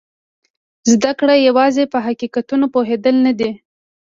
زده کړه یوازې په حقیقتونو پوهېدل نه دي.